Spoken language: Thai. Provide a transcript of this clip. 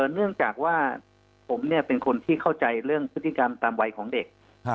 เนื่องจากว่าผมเป็นคนที่เข้าใจเรื่องพฤติกรรมตามวัยของเด็ก